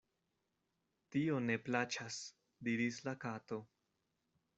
"Tio ne plaĉas," diris la Kato.